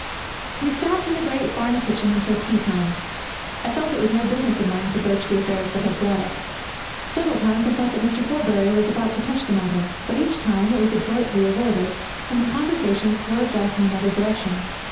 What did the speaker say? We sat in the great farm kitchen until tea time. I felt it was no business of mine to broach the affairs that had brought us. Several times I thought that Mr. Forbury was about to touch the matter. But each time it was adroitly avoided, and the conversation swerved off in another direction.